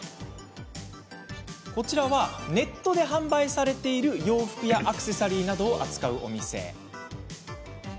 こちらはネットで販売されている洋服やアクセサリーなどを扱うお店。